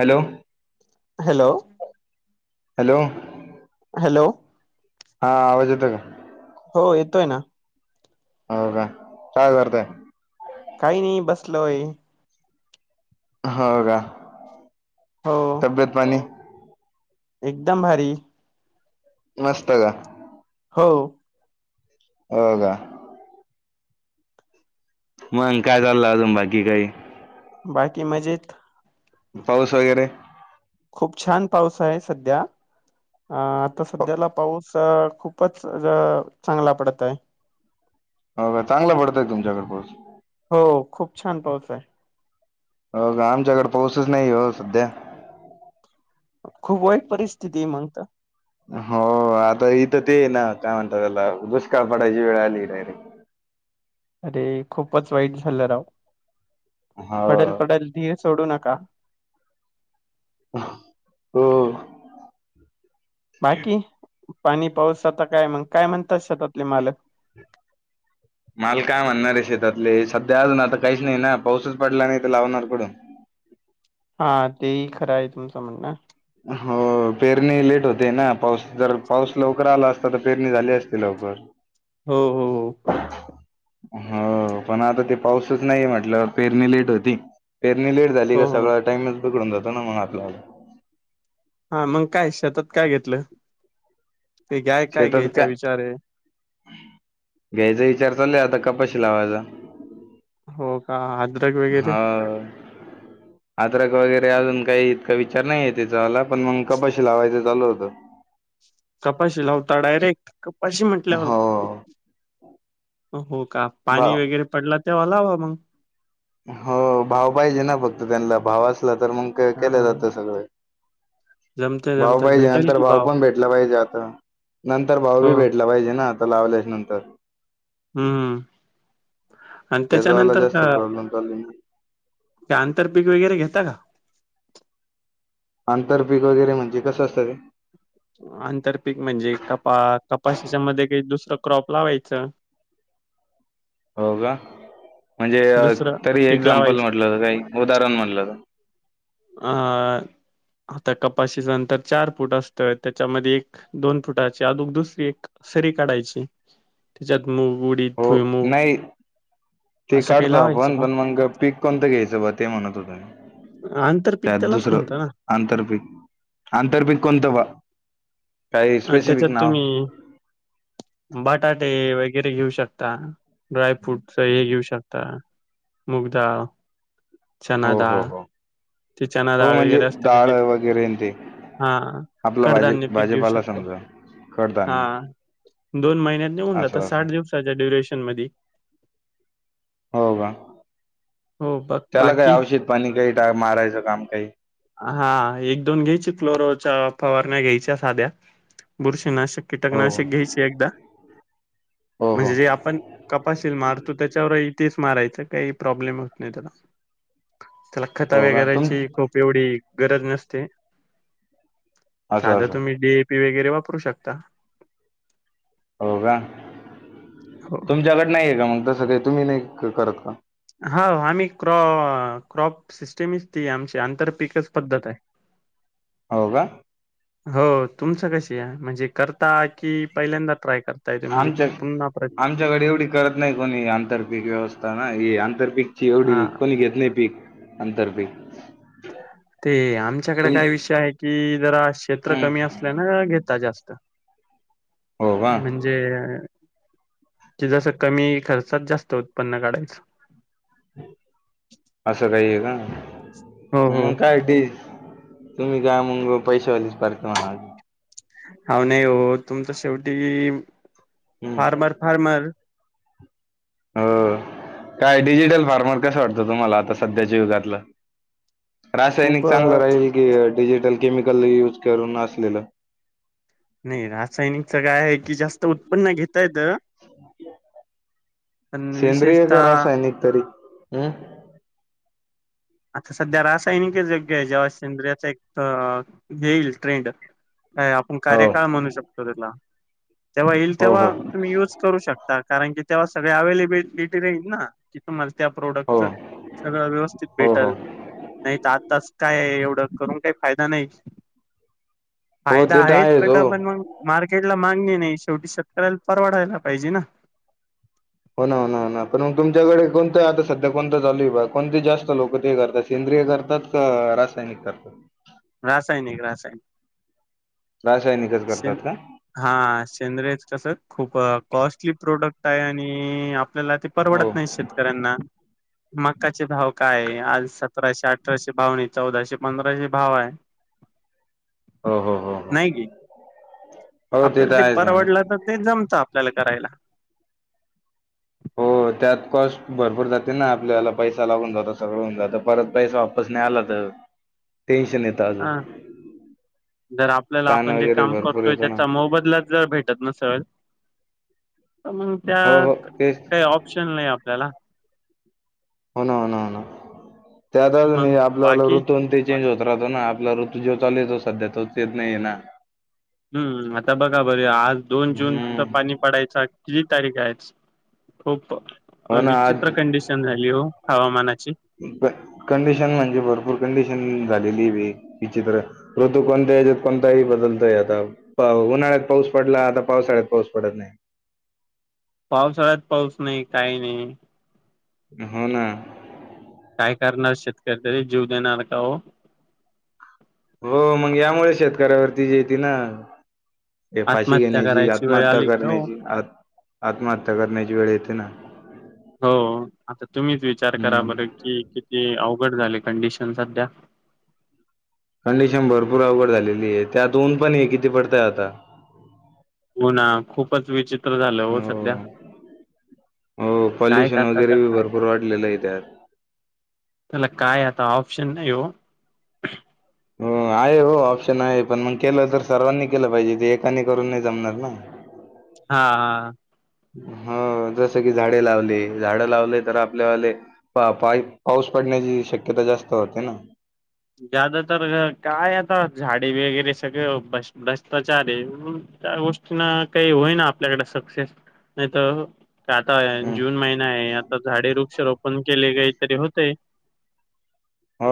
Hello. Hello hello hello. हा आवाज येतो का. हो येतोय ना. हो का काय करताय. काही नाही बसलोय. हो का हो तब्येत पाणी एकदम भारी. मस्त का. हो. हो का. मंग काय चाललं अजून बाकी काही. बाकी मजेत. पाऊस वगैरे. खूप छान पाऊस आहे सध्या अ आता सध्याला पाऊस खूपच चांगला पडत आहे. हो का चांगलं पडतय तुमच्याकड पाऊस. हो खूप छान पाऊस आहे. हो का आमच्याकडे पाऊसच नाही हो सध्या. खूप वाईट परिस्थिती मगत. हो आता इथं ते ना काय म्हणतात त्याला दुष्काळ पडायची वेळ आली डायरेक्ट अरे खूपच वाईट झालं राव हो पडेल पडेल धीर सोडू नका हो बाकी पाणी पाऊस आता काय मग काय म्हणतात शतातले मालक माल काय म्हणणार आहे शेतातले सध्या अजून आता काहीच नाही ना पाऊसच पडला नाही तर लावणार कडून हा तेही खरं आहे तुमचं म्हणणं हो पेरणी लेट होते ना पाऊस जर पाऊस लवकर आला असता तर पेरणी झाली असते लवकर हो हो हो पण आता ते पाऊसच नाही म्हटल्यावर पेरणी लेट होती पेरणी लेट झाली का हो हो सगळा टाईमच बघडून जातो ना मग आपला हा मग काय शेतात काय घेतलं ते घ्याय काय शेतात घ्यायचा का विचार आहे घ्यायचा विचार चालला आता कपश लावाजा हो का अ हा आ पत्रक वगैरे अजून काही इतका विचार नाही आहे त्याचा मला पण मग कपशी लावायचं चालू होतं कपाशी लावता डायरेक्ट कपाशी म्हटल्यावरप हो हो का पाणी भाव वगैरे पडला तेव्हाला हवा मग हो भाव पाहिजे ना फक्त त्यांना भाव असला तर मग हा केलं जातं सगळं जमते भाऊ जमते पाहिजे भेटेल नंतर की भाऊ भाव पण भेटला पाहिजे आता नंतर भाऊ हो बी भेटला पाहिजे ना लावल्या नंतर हम्मम आणि त्याचावाला त्याच्यानंतर जास्त का प्रॉब्लेम चालू ते आंतर पीिक वगैरे घे का आंतरपीिक वगैरे म्हणजे कसं असतं ते आंतरपिक म्हणजे कपा कपाशीच्या मध्ये काही दुसरं क्रॉप लावायचं हो का म्हणजे दुसरं तरी पीक एक्झाम्पल लावायचं म्हटलं काही उदाहरण म्हटलं अ आता कपाशीचं नंतर चार फूट असतंय त्याच्यामध्ये एक दोन फुटाची अदोग दुसरी एक फरी काढायची त्याच्यात पुडीत हो भुईमुग नाही ते काढतो आपण पण मग पीक कोणतं घ्यायचं ब ते म्हणत होत आंतरपीक त्यात त्यालाच दुसरं म्हणता ना. आंतरपिक आंतर्मिक कोंतवा अ त्याच्यात तुम्ही बटाटे वग वगैरे घेऊ शकता ड्राय फ्रूट हे घेऊ शकता मुगदााळ हो हो चनादााळ हो हो म्हणजे डाळ वगैरे ते हां. आपला भाजी कडधान्य पीक घेऊ भाजपाला शकतो. समजा कडधान्य दोन महिन्यात निेऊन जातात असं असं साठ दिवसाच्या ड्युरेशन मध्ये हो का ब चला काही बाकी औषित पाणी काही मारायचं काम काही हा एक दोन घ्यायची फ्लोरोच्या फवारण्या घ्यायच्या साध्या बुरशी नस हो कीटकनाशक घ्यायचे एकदा हो हो म्हणजे जे आपण कपशीलील मारतो त्याच्यावरही तेच मारायच काही प्रॉब्लेम होत नाही त्याला त्याला खता हो का तुम वगैरायची खूप गरज नसते असं साधा असं तुम्ही डीएपी वगरे वा वापरू शकता. हो का, हो तुमच्याकड नाही आहे का मग तसं काही? तुम्ही नाही करत का. हा आम्ही क्रॉप सिस्टमच, ती आमची आंतर पिकच पद्धत आहे. [inaudible] हो का? हो तुमच कशी आहे. म्हणजे कर, म्हणजे आमच्या, पुन्हा प्र आमच्याकडे एवढी करत नाही कोणी आंतरपीक. व्यवस्था ना ही, आंतर पिक ची हा एवढी कोणी घेत नाही. पीक आंतर पिक! ते आमच्याकडे काय विषय आहे, कि जरा क्षेत्र हं, कमी असल्या ना घेता जास्त. हो का म्हणजे! ते जसं कमी खर्चात, जास्त उत्पन्न काढायचं. असं काही ये का, हो हो. मग काय ती! तुम्ही काय मग पैशा वाली पार्टी होणार. आहो नाही हो तुमच शेवटी, हं. फार्मर, फार्मर, हो काय डिजिटल फार्मर कस वाटतं? तुम्हाला आता सध्याच्या युगातलं.. रासायनिक खूप चांगलं अ राहील की, डिजिटल, केमिकल, युज करून असलेलं. नाही रासायनिकच काय आहे कि, जास्त उत्पन्न घेता येत. सेंद्रिय, का, विशेषतः रासायनिक, तरी हम्! आता सध्या रासायनिक योग्य आहे. जेव्हा संद्रिच एक येईल ट्रेंड! काय आपण हो कार्यकाळ म्हणू शकतो. त्याला, तेव्हा येईल हो हो तेव्हा तुम्ही युज करू शकता. कारण की तेव्हा सगळे अवेलेबिलिटी राईल ना. की तुम्हाला, त्या हो प्रोडक्टच सगळं व्यवस्थित हो हो भेटल. नाही तर आताच! काय एवढं करून काही फायदा नाही. हो फायदा ते तर आहे आहेच पट हो पण मग मार् [unintelligible] मार्केट ला मागणी नाही. शेवटी शेतकऱ्याला परवडायला पाहिजे ना. हो ना, हो ना, हो ना, पण मग तुमच्याकडे कोणतं आता सध्या कोणता चालु कोणते कोणती जास्त लोक हे करता सींद्री! सेंद्रिय करतात, का रासायनिक करतात. रासायनिक, रासायनिक, रासायनिकच शे करतात का हा शेंद्रे कस, खूप कॉस्टली प्रोडक्ट! आणि आपल्याला ते हो परवडत नाही. शेतकऱ्यांना! मक्काचे भाव काय आहे. आज सतराशे, अठराशे, भावनी चौदाशे, पंधराशे, भाव आहे. [inaudible] हो, हो, हो, नाही की हो.. हो तर आपल्याला ते आहेच म्हणा परवडलं तर, ते जमत! आपल्याला करायला. हो त्यात कॉस्ट भरपूर जाते ना, आपल्याला पैसा लागून जातो. सगळं होऊन जातं परत पैसा वापस नाही आला तर.. [inaudible] ाज [unintelligible] हा जर आपल्याला आपण जे काम करतोय, येतो ना त्याचा मोबदलाच जर भेटत नसेल! तर मग हो हो त्यात तेच काही, ऑप्शन नाही आपल्याला. हो ना, हो ना, हो ना, त्यात आजुन हे मग आपल्याला बाकी ऋतू ते चेंज होत! ो ना आपला ऋतू जो चाल य तो सध्या तो येत नाहीे ना [unintelligible] हम्म, आता बघा बर आज दोन हम्म जूनच पाणी पडायचं! किती तारीख आहे आज, खूप हो ना विचित्र कंडिशन झाली हो हवामानाची! कंडशन म्हणजे भपूर कं [unintelligible] ि ऋतू कोणतच्यात कोण बदलतय आ [unintelligible] उन्हाळ्यात पाऊस पडला, आता पावसाळ्यात पाऊस पडत नाही. पावसाळ्यात पाऊस नाही, काही नाही! हो ना... काय करणार शेतकरी तरी जीव देणार का हो हो मग यामुळे शेतकऱ्यावरती जे येत ना हे पाशी आत्महत्या घेण्याची करायची वेळ आत्महत्या आली की हो करण्याची आत्महत्या करण्याची वेळ येते ना हो आता तुम्हीच विचार करा हम्म बर कि किती उघड झाले कंडिशन सध्या कंडिशन भरपूर अवघड झालेली आहे त्यात ऊन पण हे किती पडतय आता हो ना खूपच विचित्र झालं हो सध्या हो काय पॉल्युशन करता तर वगैरे बी भरपूर वाढलेलं आहे त्यात त्याला काय आता ऑप्शन नाही हो हो आहे हो ऑप्शन आहे पण मग केलं तर सर्वांनी केलं पाहिजे ते एकानी करून नाही जमणार ना हा हा हा जस की झाडे लावली झाड लावले तर आपल्याले पा पाऊस पड ण्याची शक्यता जास्त होते ना जदा तर काय आता झाडे वगैरे सगळं भ्रष्टाचारी त्या गोष्टींना काही होईना आपल्याकडे सक्सेस नाही तर आता हम्म जून महिना आहे आता झाडे वृक्ष रोपण केले काही तरी होतेय हो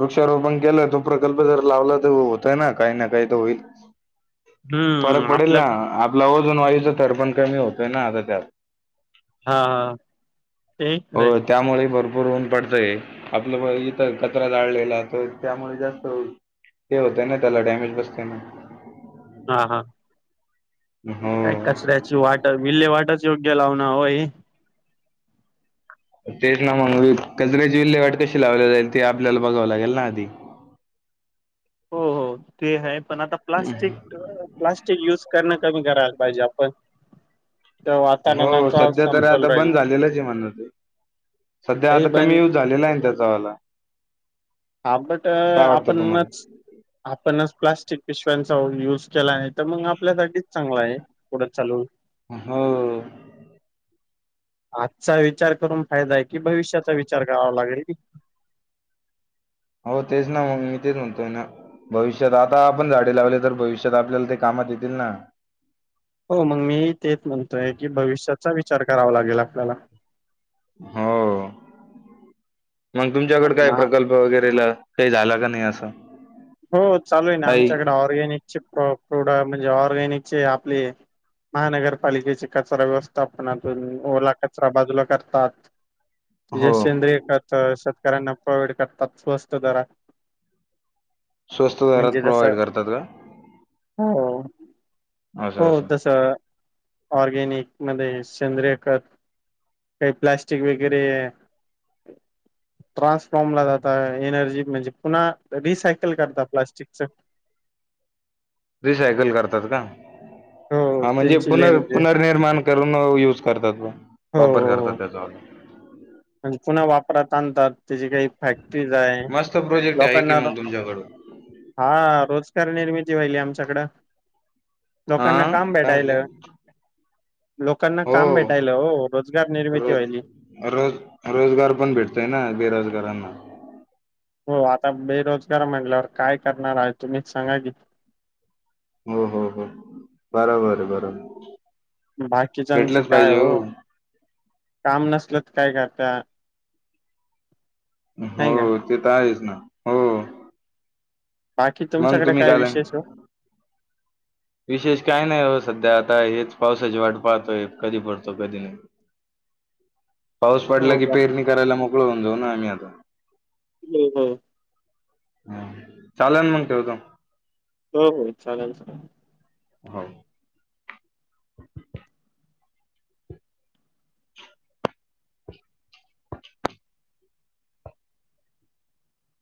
वृक्षारोपण केलं त प्रकल्प जर लावला तर होतय ना काही ना काही तर होईल फरक हम्म पडेल आपलं ना आपला ओजन वायूचा थडपण कमी होतोय ना आता त्यात हा हा ते हो खरंय त्यामुळे भरूर भर होऊन पडतंय आपलं इथं कचरा जाळलेला तर त्यामुळे जास्त ते होतं ना त्याला डॅमेज बसते ना हा हा काय हो. कचऱ्याची वाट विल्हे वाटच योग्य लावण होय तेच ना मग कजराची विल्हेवाट कशी लावली जाईल ती आपल्याला बघावं लागेल ना आधी ह हो हो ते आहे पण आता प्लास्टिक प्लास्टिक युज करणं कमी करायला पाहिजे प हो सध्या तररी आता बंद झालेलंच आहे म्हणण ते सध्या काही आता कमी बंद यऊज झालेला आहे त्याचावाला हा बट काय वाटतं तुम्हाला? आपणच आपणच प्लास्टिक पिशव्यांचा युज केला आहे तर मग आपल्यासाठीठीच चांगला आहे पुढं चालू हो आजचा विचार करून फायदा आहे कि भविष्याचा विचार करावा लागल हो तेच ना मग मी तेच म्हणतोय ना भविष्यात आता आपण झाडे लावले तर भविष्यात आपल्याला ते कामात येतील ना हो मग मी तेच म्हणतोय की भविष्याचा विचार करावा लागेल आपल्याला हो मग तुमच्याकड काय प्रकल्प वगैरेला काही झाला का नाही असं हो चालू आहे ना काही आमच्याकडे ऑर्गॅनिकचे प्रोड म्हणजे ऑर्गॅनिकचे आपले महानगरपालिकेचे कचरा व्यवस्थापनातून ओला कचरा बाजूला करतात हो जे सेंद्रिय खत शेतकऱ्यांना प्रोवाइड करतात स्वस्त दरात. स्वस्त दरात म्हणजे जसं प्रोव्हाइड करतात का? हो हो हो असं असं. जसं ऑर्गेनिक मध्ये सेंद्रीय खत काही प्लास्टिक वगैरे ट्रान्सफॉर्मला जाता एनर्जी म्हणजे पुन्हा रिसायकल करता प्लास्टिकचं [inaudible] रिसायकल करतात का? ह. हा म्हणजे पुनर् पुनर्निर्माण करून यूज करतात ब हो वापर करतात हो त्याचा म्हणजे पुन्हा वापरात आणतात. त्याची काही फॅक्टरीज आहे मस्त प्रोजेक्ट आहे की लोकांना व मग तुमच्याकडून हा रोज निर्मिती व्हायली आमच्याकडं हा लोकांना काम काय म्हटलं भेटायलं. लोकांना काम हो भेटायलं ओ रोजगार निर्मिती रोज व्हायली. रोज रोजगार पण भेटतंय ना बेरोजगारांना. हो आता बेरोजगार म्हटल्यावर काय करणार आहे तुम्हीच सांगा की. हो हो हो बरोबर आहे बरोबर. बाकीच्यांचं भेटलंच काय पाहिजे हो. ओ काम नसलं काय करता? हो नाही का ते तर आहेच ना हो. बाकी मग तुमच्याकडे तुम्ही काय झालं? विशेष ओ? विशेष काही नाही ओ सध्या आता हेच पावसाची वाट पाहतोय कधी पडतो कधी नाही. [inaudible] पाऊस पडला हो की पेरणी करायला मोकळ होऊन जाऊ ना आम्ही आता. हम्म हम. हा चालन मग ठेवतो. हो हो चालन चालन. हो.